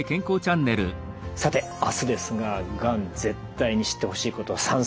さて明日ですががん絶対に知ってほしいこと３選